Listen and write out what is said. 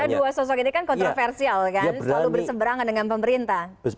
karena dua sosok ini kan kontroversial kan selalu berseberangan dengan pemerintah